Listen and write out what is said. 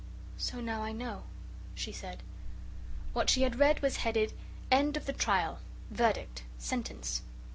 "So now I know," she said. What she had read was headed, 'End of the Trial. Verdict. Sentence.'